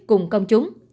cùng công chúng